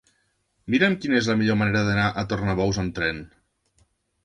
Mira'm quina és la millor manera d'anar a Tornabous amb tren.